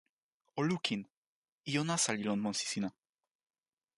o lukin! ijo nasa li lon monsi sina.